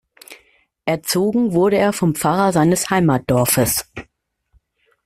Erzogen wurde er vom Pfarrer seines Heimatdorfes.